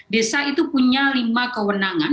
desa itu punya lima kewenangan